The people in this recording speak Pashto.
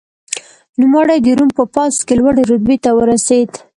نوموړی د روم په پوځ کې لوړې رتبې ته ورسېد.